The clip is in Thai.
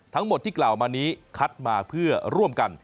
ทั้งหมดที่กล่าวมานี้คัดมาเพื่อร่วมกัน